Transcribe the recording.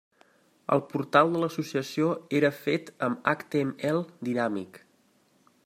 El portal de l'Associació era fet amb HTML dinàmic.